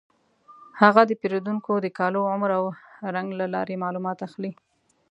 هغه د پیریدونکو د کالو، عمر او رنګ له لارې معلومات اخلي.